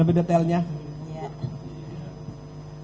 untuk buat anak upwards